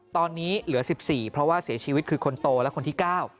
ตอนนี้เหลือ๑๔เพราะว่าเสียชีวิตคือคนโตและคนที่๙